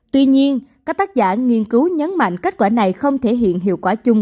tuy nhiên các tác giả nghiên cứu nhấn mạnh kết quả này không thể hiện hiệu quả chung